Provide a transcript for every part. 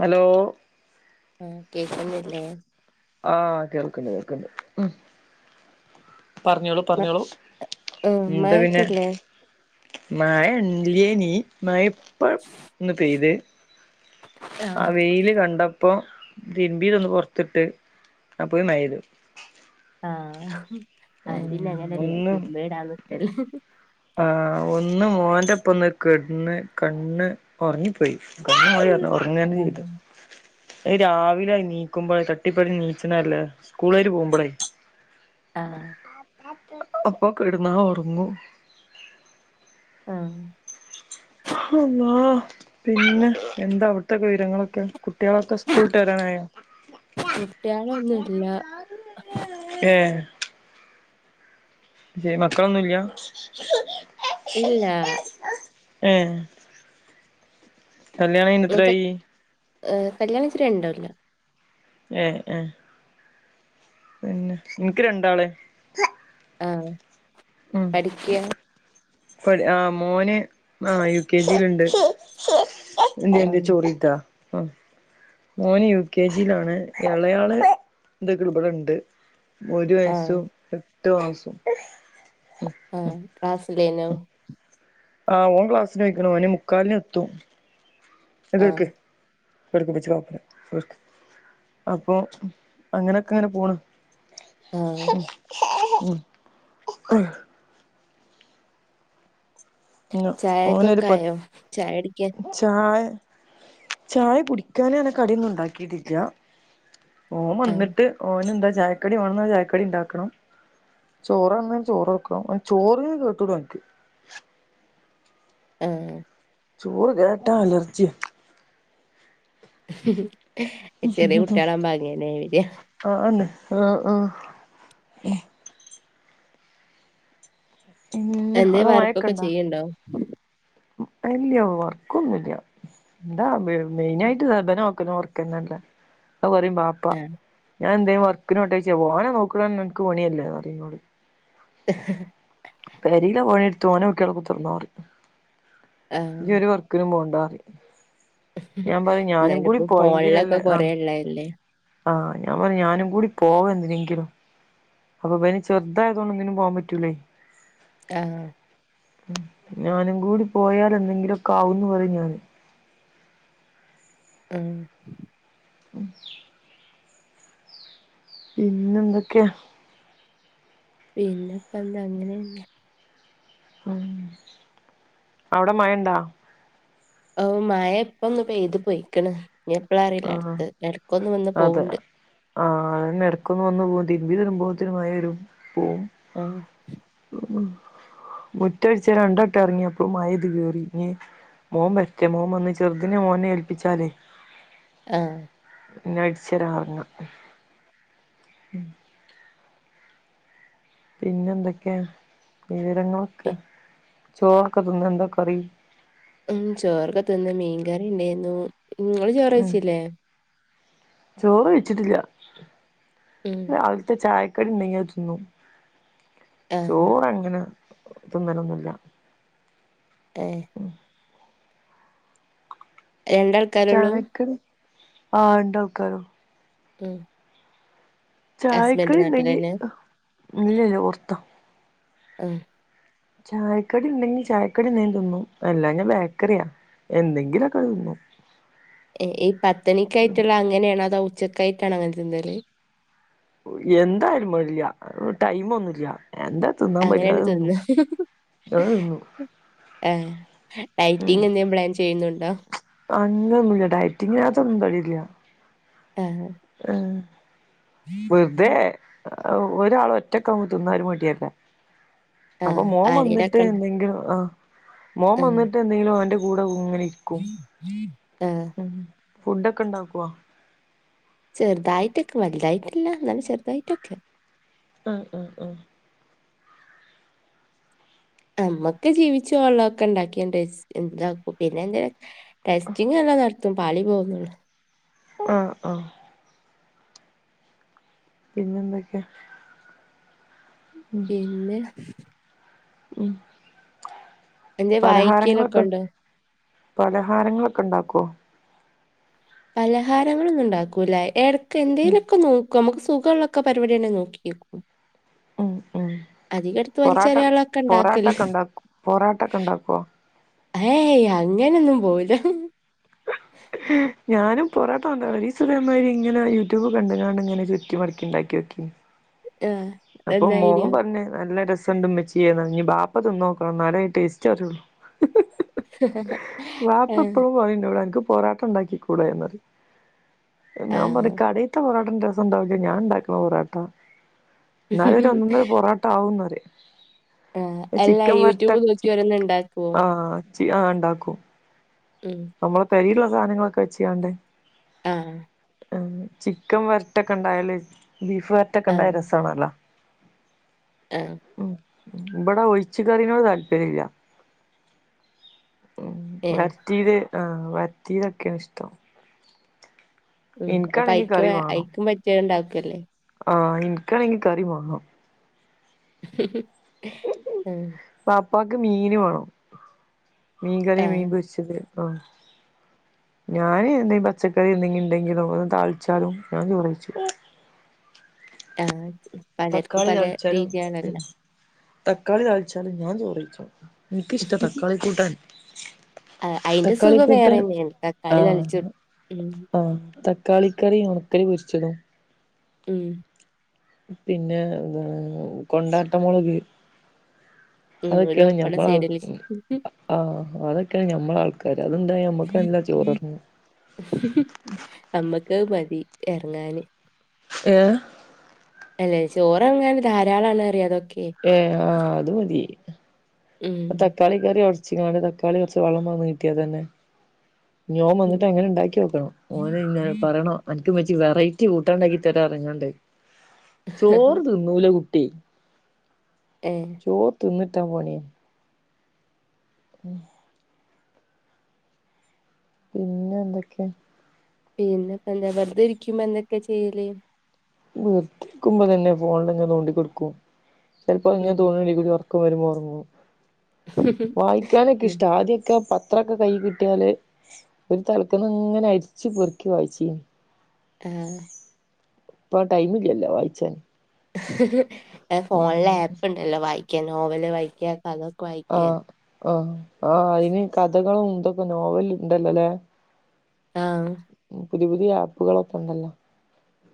Hello. ആ കേക്കുന്നില്ലേ. ആഹ് കേൾക്ണ്ട് കേൾക്ണ്ട് പറഞ്ഞോളൂ. പറഞ്ഞോളൂ ആഹ് എന്താ പിന്നെ. മഴക്കല്ലേ മായല്ലേനീ മഴ ഇപ്പന്ന് പെയ്ത്. ആ ആഹ് വെയ്ല് കണ്ടപ്പോ തിര്ബിതൊന്ന് പുറത്തിട്ട് അപക്ക് മയെയ്തു. ആഹ് ഉം അഹ്പിന്നങ്ങനല്ലേ തിരുമ്പി ടാനിക്കല്ലേ. ആ ഒന്ന് മോന്റെപ്പന്ന് കെടന്ന്കണ്ണ് ഒറങ്ങി പോയി. പോയി ഒന്ന് ഒറങ്ങന്നെയ്തു. അഹ് രാവിലെ നീക്കുമ്പോ തട്ടിപ്പടഞ്ഞ് നീച്ച്ണല്ലേ സ്കൂളേര് പോകുമ്പളേയ്. ആഹ്. അപ്പൊ കെടന്നാ ഒറങ്ങും. ആഹ്. അള്ളാ പിന്നെ എന്താ അവിട്ത്തെക്ക വിവരങ്ങളൊക്കെ. കുട്ടിയേളൊക്കെ സ്കൂളുട്ട് വെരാനായോ. കുട്ടികളൊന്നുല്ല ഏഹ് ഏഹ് മക്കളൊന്നുല്ല ഇല്ലാ. ഏഹ് കല്യാണംകൈഞ് എത്രായി എഹ് കല്യാണം കഴിച്ചിട്ട് രണ്ടോല്ലം ഏഹ് ആഹ് പിന്നെ ഇനിക്ക് രണ്ടാള് ആഹ് പഠിക്ക ഒരു ആ മോന് ആ യു കെ ജിലുണ്ട് ആഹ് [inaudible] ഓൻ യു കെ ജിലാണ് എ ളയാള് ഇതെക്ണ് ഇപടെ ഇണ്ട് ഒരു വയസ്സും ആഹ് എട്ടു മാസും ആഹ് ക്ലാസ്സിലേനോ ആ ഓൻ ക്ലാസ്സിനോയിക്ക് ണ് ഓന് മുക്കാലിന് എത്തും ആഹ് കേക്ക് [inaudible] അപ്പൊ അങ്ങനെക്കെഅങ്ങനെ പോണ് ആഹ് ഇഹ് ആഹ് പിന്നെ ചായക്ക് ഓനൊരു ഒക്കെ പ ആയോ ചായടിക്കാൻ ചായ ചായ കുടിക്കാനങ്ങ നെ കടി ഒന്നും ഉണ്ടാക്കിട്ടില്ല ആഹ് ഓവന്നിട്ട് ഓനന്താ ചായക്കടി വേണനറഞ്ഞ ചായക്കടി ഇണ്ടാക്കണം ചോറ്ന്ന ചോറ്ക്കും ഓൻ ചോറ് കേട്ടൂട ഓനിക്ക് ഏഹ് ചോറ് കേട്ടാ അലർജ്യ ചെറിയ കുട്ട്യാളാകുമ്പോ അങ്ങേനെ വര്യാ ആന്ന് ആഹ് ആഹ് ഏഹ് പിന്നെ എന്തെ അവിടെ വർക്കൊക്കെ ചെയ്യി ണ്ടോ അല്യോ വർക്കൊന്നുല്ല എന്താ മെയിൻ ആയിട്ട് ഇബനോക്കലും ഒർക്കന്നെല്ലേ അത് പ റിം ബാപ് ആഹ് ഞാൻ എന്തേലും വർക്കന് പോട്ടെ ഓനെ നോക്കുണ നിനക്ക് പണിയല്ലേ ന്ന് പറിന്നോട് ഹേ ഹേ ഹേ പേരിലെ പണിയെട്ത്ത് ഓനെ നോക്കി അവടെ കുത്തിർന്നോ പറിം ആഹ് ഇജ്ജ് ഒരു വർ ക്കിനും പോണ്ടാറിം ഞാൻ പറിം ഞാനും എന്നാലും കൂടി ഇപ്പോ ഫോണിലൊക്കെ പോയെങ്കിലല്ലേ കൊറേ ആഹ് ഉള്ളതല്ലേ ആഹ് ഞാൻ പറിം ഞാനു കൂടി പോവാ എന്തിനെങ്കിലും അപ്പൊ പിന് ചെറുതായതോണ്ട് ഒന്നിനും പോവാൻ പറ്റൂലെ ആഹ് ഞാനും കൂടി പോയാൽ എന്തെങ്കിലുക്കെ ആവുന്നു പറിം ഞാന് ആഹ് ഉം പിന്നെ എന്തൊക്കെ പിന്നെ ഇപ്പന്താ അങ്ങനെയന്നെ ഉം അവിടെ മഴണ്ടോ ഒഹ് മഴ ഇപ്പൊന്നു പെയ്ത് പോയിക്കണ് ഇഞ്ഞി എപ്പള അറീല ആഹ് അടുത്തത് ഇടക്കൊന്ന് വന്ന് അതെ പോക്ണ്ട് ആഹ് അതന്നെ എടക്കൊന്ന് വന്നു പോവും തിരുമ്പി വരുബോത്തിനും മഴ വരും പോകും അഹ് മുറ്റടിച്ചാൻ രണ്ടട്ടം ഇറങ്ങി അപ്പ മഴ പെയ്ത് കേറി ഇഞ്ഞി മോൻ വരട്ടെ മോൻ വന്ന് ചെറുതിനിനെ ഓനെ ഏൽപ്പിച്ചാല് ആഹ് ഇന്നടിച്ചരാ എറങ്ങാ ഉം പിന്നെ എന്തൊക്കെയാ വിവരങ്ങളൊക്കെ ചോറൊക്കെ തിന്നോ എന്താ കറി ഉം ചോറക്കെ തിന്ന് മീൻ കറി ഇണ്ടെന്നു ഇങ്ങള് ഉം ചോറയിച്ചില്ലേ ചോറ് വെച്ചിട്ടില്ല ഉം രാവിലെതെ ചായ ക്കണ്ടെങ്കിൽ തിന്നു ആഹ് ചോറ് അങ്ങനെ തിന്നലൊന്നുല്ല്യ ഏഹ് [unintelligible] ചായക്ക് കടി ആഹാണ്ടാക്കാരം ഉം ഹസ്ബൻഡ് ചായകടിണ്ടകിൽ നാട്ടിലന്നെ ഇല്ല ഇല്ല പൊറത്ത ആഹ് ചായക്കടി ഉണ്ടെങ്കി ചായക്കടി എന്നേലും തിന്നും അല്ലേൽ ബേക്കറിയൊ എന്തെങ്കിലൊക്കെതിന്നു ഏ ഈ പത്ത് മണിക്കായിട്ടുള്ളതാണോ അങ്ങനെയാണോ അതോ ഉച്ചക്കായിട്ടാണ് വെക്കുന്നത് എന്തായാലും മെഡില്ല ടൈമ് ഒന്നുംല്ല്യ എന്താ തിന്നാം അങ്ങനെയാണ് പറ്റ്ണത് തിന്നും തിന്ന കുട്ടിയാൾതിന്നും ഹേ ഡയറ്റിംഗ് എന്തേലും പ്ലാൻ ചെയ്യുന്നുണ്ടോ അങ്ങനൊന്നുല്ല ഡയറ്റിങ്ങിനകത്തൊന്നുംതടില്ല ആഹ് ഹേ വെറുതെ ഒരാള് ഒറ്റക്കാവുമ്പം തിന്നാൻ ഒരു മടിയാവും അപ്പൊ ആഹ് മോൻ വന്നിട്ട് ആരേലൊക്കെണ്ട് എന്തെങ്കിലും ആഹ് - മോൻ ആഹ് വന്നിട്ട് എന്തെങ്കിലും ഓന്റെ കൂടെയിങ്ങനെ ഇരിക്കും ആഹ് ഫുഡ് ഒക്കെ ഇണ്ടാക്കുവോ ചെറുതായിട്ടൊക്കെ വലുതായിട്ടില്ല എന്നാലും ചെറുതായിട്ടൊക്കെ ആഹ് ആഹ് ആഹ് നമ്മക്ക് ജീവിച്ചു പോവാനുള്ളത് ഒക്കെ ഉണ്ടാക്കിയാണ്ട് ഇത്‌യാക്കും പിന്നെ എന്തിനാ ടെസ്റ്റിങ് എല്ലാം നടത്തും പാളി പോവുന്നെയുള്ളു ആഹ് ഓഹ് പിന്നെ എന്തൊക്കെയാ ഉം പിന്നെ- ഉം എന്തേ പലഹാരങ്ങള് വായിക്കലൊക്കെ ഒക്കെ ഉണ്ടോ പലഹാരങ്ങളൊക്കെ ഇണ്ടാക്കോ പലഹാരങ്ങളൊന്നും ഉണ്ടാക്കൂല്ല എടക്ക് ഉം എന്തേങ്കിലൊക്കെ നോക്കും നമുക്ക് സുഖമുള്ളൊക്കെ പരിപാടിയണെ നോക്കിവെക്കും ഉം ഉം [inaudible] അധികം എടുത്തു പൊറാട്ട വലിച്ചെറിയാൻ ഒക്കെ ഉള്ളത് ഇണ്ടാക്കല് പൊറാട്ടൊക്കെ ഉണ്ടാക്കും പൊറാട്ടൊക്കെ ഉണ്ടാക്കോ ഏയ് അങ്ങനെയൊന്നും പോവൂല ഞാനും പൊറോട്ട ഒണ്ടല്ലോ ഒരു ദിവസം ഇതേ മാതിരി ഇങ്ങനെ യൂട്യൂബ് കണ്ട് എങ്ങാണ്ട് ഇങ്ങനെ ചുറ്റി മടക്കി ഉണ്ടാക്കി നോക്കി ആഏ [unintelligible] അപ്പൊ മോൻ പറഞ് നല്ല രസയുണ്ട് ഉമ്മച്ചി പറഞ്ഞു ബാപ്പാ തിന്നോക്കണം എന്നാലെ ടേസ്റ്റ് അറിയുള്ളൂ വാപ്പ ആഹ് എപ്പഴും പറയും എന്നോട് എനക്ക് പൊറോട്ട ഉണ്ടാക്കികൂടെ എന്ന് പറയും ഞാൻ പറയും കടെ തന്നുവിടും ഒരു ദിവസം ഞാൻ ഉണ്ടാക്കിയ പൊറോട്ട എന്നാലും ഒര് ആഹ് ഒന്ന് ഒന്നര പൊറോട്ട ആവുയെന്ന് പറയും ആഹ്. അല്ല ചിക്കൻ വരണ്ട് യൂട്യൂബ് നോക്കി ഓരോന്നുണ്ടാക്കുവോ? ചി ആഹ ആ ഉണ്ടാക്കും ഉം നമ്മളെ കൈയിലുള്ള സാധനങ്ങളൊക്കെ വെച്ച് കാണ്ട്- ആഹ് ചിക്കൻ വരട്ടൊക്കെ ഉണ്ടായല് ബീഫ് വരട്ടൊക്കെ ഉണ്ടായ ആഹ്. രസമാണല്ലോ ആഹ് ഉം ഇവിടെ ഒഴിച്ച് കറിനോട്‌ താല്പര്യം ഇല്ല ഉം ഏഹ്. വറട്ടിയത് ആഹ് വറ ട്ടിയതൊക്കെയാണ് ഇഷ്ടം ഉം എനിക്കാണെങ്കി അയ്ക്ക് കറി വേ വേണം അയ്ക്കും പറ്റിയ ഇണ്ടാക്ക് അല്ലേ ആഹ് എനിക്കാണെങ്കിൽ കറി വെണം ഹേ [unintelligible] വാപ്പാക്ക് മീന് വേണം മീൻ കറി മീൻ ആഹ്. പൊരിച്ചത് ആഹ് ഞാന് എന്തെങ്കിലും പച്ചക്കറി എന്തെങ്കില്ണ്ടെങ്കിലും ഒന്ന് താളിച്ചാലും ഞാൻ ചോറ് കയിച്ചും ആഹ് പലർക്കും തക്കാളി പല താളിച്ചാലും ഉം രീതിയാണല്ലോ. തക്കാളി താളിച്ചാലും ഞാൻ ചോറയ്ച്ചോളും എനിക്കിഷ്ടാ തക്കാളിക്കൂട്ടാൻ ആഹ്. അയിന്റെ സുഖം തക്കാളിക്കൂട്ടാൻ വേറെന്നെയാണ്. തക്കാളി താളിച്ചു ആഹ് ഉം. ആഹ് തക്കാളിക്കറി ഉണക്കല് പൊരിച്ചതും ഉം പിന്നെ എന്താണ് കൊണ്ടാട്ടമൊളക് ഉം. ഒരു അതൊക്കെയാണ് പപ്പടം ഞമ്മള് സൈഡിലേക്ക്. - ആഹ് അതൊക്കെയാണ് ഞമ്മളാൾക്കാര് അത്ണ്ടായി നമ്മക്കല്ല ചോറെറ്ങ്ങു നമ്മക്കത് മതി എറങ്ങാന് ഏഹ് അല്ലേ ചോറെറങ്ങാൻ ധാരാളാണറയാ അതൊക്കെ ഏ ആഹ് അത് മതി ഉം തക്കാളക്കറി ഒടച്ച്ങ്ങാണ്ട് തക്കാളി കൊറച്ച് വെള്ളംവാന്ന് കിട്ടിയാ അതന്നെ ഇന്നോൻ ഉം. വന്നിട്ട് എങ്ങനെ ഇണ്ടാക്കി വെക്കണം ഓന്ന്നെ പറയണം എനക്കുമ്മച്ചി വെറൈറ്റി കൂട്ടാണ്ടാക്കിതരാറഞ്ഞ്ങ്ങാണ്ട് ചോറ് തിന്നൂല കുട്ടി ഏഹ് ചോറ് തിന്നിട്ടാൻ പണിയാ ഉം പിന്നെന്തൊക്കെയാ പിന്നെപ്പെന്താ വെറതിരിക്കുമ്പെന്തെക്കെയാ ചെയ്യല് വെറ്ക്കുമ്പൊതന്നെ ഫോണിലിങ്ങനെ തോണ്ടിക്കൊടുക്കും ചെലപ്പ്ങ്ങനെ ഉം. തോന്നൂലെ ഇവ്രൊ ക്കാംവരുമ്പൊ ഒറങ്ങും ആഹ്. വായിക്കാനൊക്കിഷ്ടാ ആദ്യൊക്കെ പ ത്രൊക്കെ കയ്യികിട്ടിയാല് ഒരു തലക്കന്ന്ങ്ങനെ അരിച്ചു പെറുക്കി വായിച്ചീന് ആഹ് ഇപ്പൊ ടൈമില്ലല്ലോ വായിച്ചാൻ ഫോണില് ഉം ആപ്പ്ണ്ടല്ലോ വായിക്കാൻ നോവല് വായിക്ക കഥ ഓ ഓ ഓ അയിന് കഥകളും ഇതൊക്കെ നോവല്ണ്ടല്ലോല്ലേ ആഹ് പുതിയ പുതിയ ആപ്പുകളൊക്ക്ണ്ടല്ലോ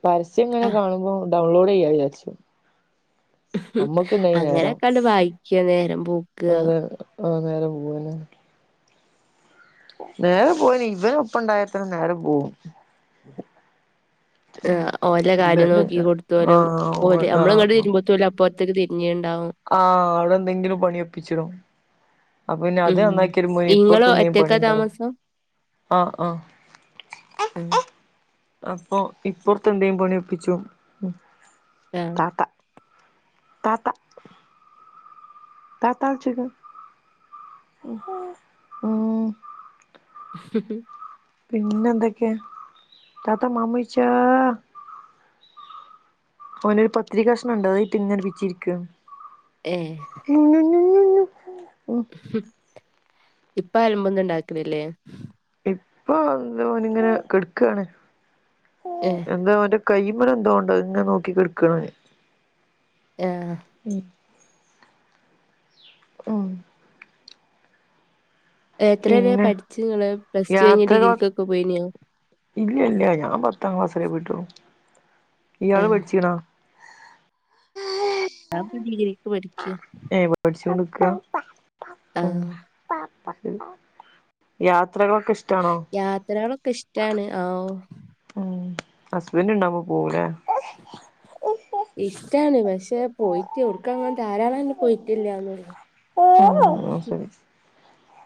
പരസ്യിങ്ങനെ ആഹ് കാണുമ്പൊ ഡൗൺലോടെയ്യാ വിചാരിച്ചു നമ്മക്കുണ്ടായി നേരം അങ്ങനെയൊക്കണ്ട് വായിക്ക നേരം പോക്കാ അതെ ആഹ് നേരം പോവെന്നെ നേരം പോയിന് ഇവരൊപ്പ്ണ്ടായാത്തനെ നേരം പോവും ആഹ് ഓലെകാര്യം ഇവര് നോക്കി കൊട്ത്തോരും ആഹ് ഓലെ ആഹ് നമ്മള്ങ്ങ്ണ്ട് തിരിയുമ്പോത്തോല് അപ്പൊ ത്ത്ര് തിരിഞ്ഞ്ണ്ടാവും ആഹ് അവിടെന്തെങ്കിലും പണിയൊപ്പിച്ചിടും അപ്പൊ പിന്നത് ഉം നന്നാക്കി വരുമ്പയേ ഇങ്ങള് ഇപ്പറത്തെന്തേ ഒറ്റക്കാ പണിയ്ണ്ടാവും താമസം ആഹ് ആഹ് ഉം അപ്പൊ ഇപ്പറത്തെന്തേം പണിയൊപ്പിച്ചു ആഹ് താത്ത താത്ത വിളിച്ചോക്ക് ഉം [unintelligible] പിന്നെന്തൊക്കെയാ താത്ത മമ്മുവെയിച്ചൂ ഓനൊരു പത്തിരികഷ്ണണ്ട് അതയ്റ്റ് ങ്ങനെ പിച്ചിയിരിക്ക ഏഹ് [unintelligible] ഉം ഇപ്പ അലമ്പൊന്നും ഉണ്ടാക്ക്‌ണില്ലേല്ലേ? ഇപ്പൊ ഓന്ങ്ങനെ കെടുക്കാണ് ഏഹ് എന്താ [unintelligible] കൈമല്ന്തോണ്ട് അത്ങ്ങെനെ നോക്കിക്കെട്ക്കാണ് എ ഉം ഓ എത്രെ വരെ പിന്നെ പഠിച്ചു ങ്ങള് പ്ലസ് ടു കഴിഞ് ഡിഗ്രിക്കൊക്കെ പോയിനോ. ഇല്യ ഇല്യ ഞാൻ പത്താം ക്ലാസ് വരെ പോയിട്ടൊള്ളു ഇയാള് ആഹ് പഠിച്ചിക്ണോ? [inaudible] ഒരാളിപ്പോ ഡീഡ്രിക്ക് പഠിക്യാ പ. ടിച്ചോചോണ്ടക്ക ഉം ആഹ് യാത്രകളൊക്കെ ഇഷ് യാത്രകളൊക്കെ ഇഷ്ടാണ് അവ്വ് മ്മ് ഹസ്ബൻറ്റ് ഉണ്ടാവുമ്പോ പോവൂലേ. ഇഷ്ടാണ് പക്ഷെ പോയിട്ട് [unintelligible] പോയിട്ടില്ലന്നുള്ളു [unintelligible]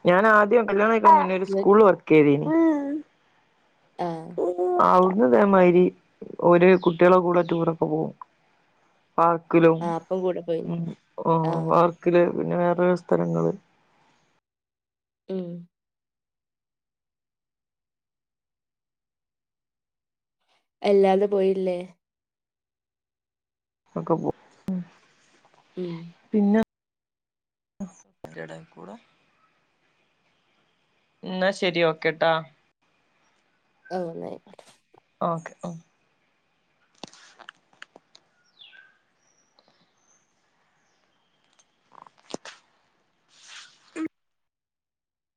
ഞാനാദ്യം ഉണ്ടല്ലോ ഒരു ഇങ്ങ സ്കൂൾ വർക്ക് കെതീന് ആഹ്. അവ്ട്ന്ന് തേമാതിരി ഓര് കുട്ടികളെ കൂടെ ടൂറൊക്കെ പോകും. പാർക്കിലും ആഹ് അപ്പം കൂടെ പോയിന് ഉം ആഹ് പാർക്കില് പിന്നെ വേറെേ സ്ഥലങ്ങള്. ഉം എല്ലാതെ പോയില്ലേ. അക്കപ്പോ ഉം [unintelligible] ഇന്നാ ശേരി ഓക്കേട്ടാ അ ഗുട് നഴ്ട് ഓക്കെ ഉം